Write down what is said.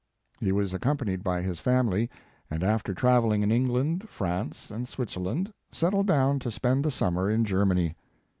He was accompanied by his family, and after traveling in England, France and Switzerland, settled down to spend the summer in Germany.